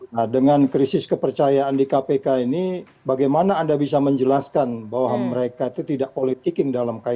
nah dengan krisis kepercayaan di kpk ini bagaimana anda bisa menjelaskan bahwa mereka itu tidak politiking dalam kaitan